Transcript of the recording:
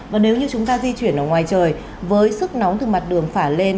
và nếu như chúng ta di chuyển ở ngoài trời với sức nóng từ mặt đường phả lên